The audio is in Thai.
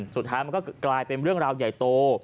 สุดท้ายมันก็กลายเป็นเรื่องราวใหญ่โต